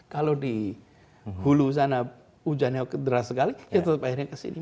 kalau di hulu sana hujannya kederas sekali ya tetap airnya ke sini